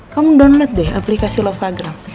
kamu download deh aplikasi lovagram